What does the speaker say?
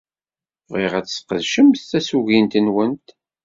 Bɣiɣ ad tesqedcemt tasugint-nwent.